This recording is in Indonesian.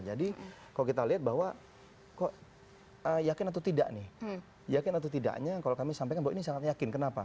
jadi kalau kita lihat bahwa kok yakin atau tidak nih yakin atau tidaknya kalau kami sampaikan bahwa ini sangat yakin kenapa